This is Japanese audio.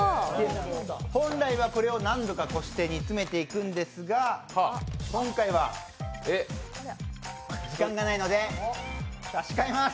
本来はこれを何度かこして煮詰めていくんですが今回は時間がないので差し替えます。